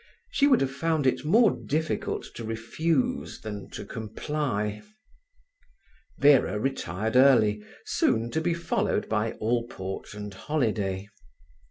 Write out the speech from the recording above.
She would have found it more difficult to refuse than to comply. Vera retired early, soon to be followed by Allport and Holiday.